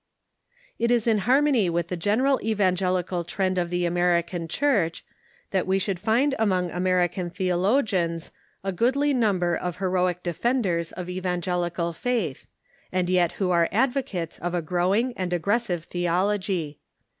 638 THE CHURCH IN THE UNITED STATES It is in harmony Avith the general evangelical trend of the American Church that Ave should find among American theo logians a goodly number of heroic defenders of evangelical faith, and yet Avho are advocates of a growing and aggressive theology.